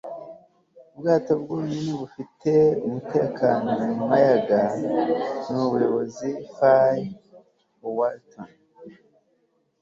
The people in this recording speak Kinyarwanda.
ubwato bwonyine bufite umutekano mu muyaga ni ubuyobozi. - faye wattleton